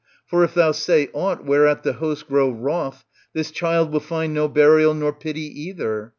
For if thou say aught whereat the host grow wroth, this child will find no burial nor pity either.